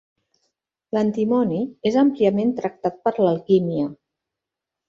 L'antimoni és àmpliament tractat per l'alquímia.